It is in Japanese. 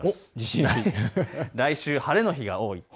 来週、晴れの日が多い。